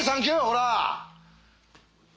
ほら！